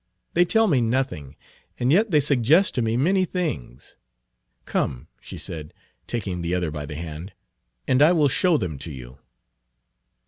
They tell me nothing, and yet they suggest to me many things. Come," she said, taking the other by the hand, "and I will show them to you."